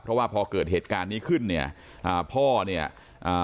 เพราะว่าพอเกิดเหตุการณ์นี้ขึ้นเนี่ยอ่าพ่อเนี่ยอ่า